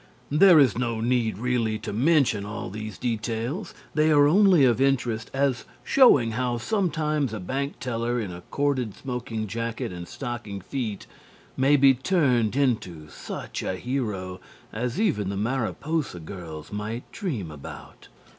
There is no need really to mention all these details. They are only of interest as showing how sometimes a bank teller in a corded smoking jacket and stockinged feet may be turned into such a hero as even the Mariposa girls might dream about.